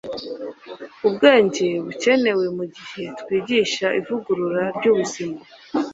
ubwenge bukenewe mu gihe twigisha ivugurura ry'ubuzima